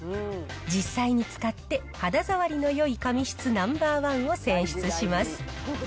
実際に使って、肌触りのよい紙質ナンバー１を選出します。